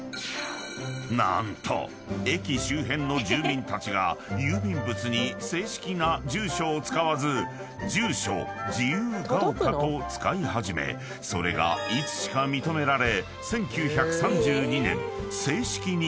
［何と駅周辺の住民たちが郵便物に正式な住所を使わず住所「自由ヶ丘」と使い始めそれがいつしか認められ］